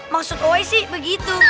maksud owae sih begitu